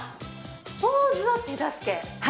ポーズを手助け？